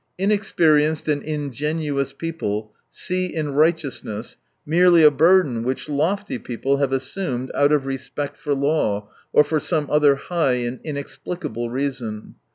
— Inexperienced and ingenuous people see in righteousness merely a burden which lofty people have assumed out of respect for law or for some other high and inexplicable reason.